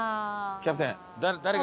キャプテン誰が？